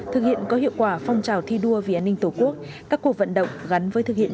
thực hiện có hiệu quả phong trào thi đua vì an ninh tổ quốc các cuộc vận động gắn với thực hiện